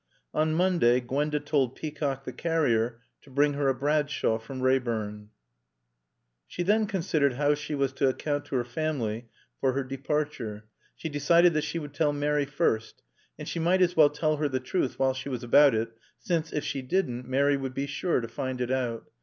On Monday Gwenda told Peacock the carrier to bring her a Bradshaw from Reyburn. She then considered how she was to account to her family for her departure. She decided that she would tell Mary first. And she might as well tell her the truth while she was about it, since, if she didn't, Mary would be sure to find it out.